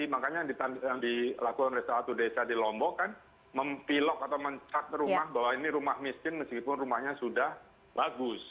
makanya yang dilakukan oleh satu desa di lombok kan mempilok atau mencak rumah bahwa ini rumah miskin meskipun rumahnya sudah bagus